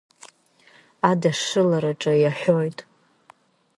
Адышшылараҿы иаҳәоит…